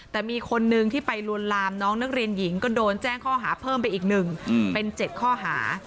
แต่มีคนนึงที่ไปลวนลามน้องนักเรียนหญิงก็โดนแจ้งข้อหาเพิ่มไปอีกหนึ่งเป็น๗ข้อหา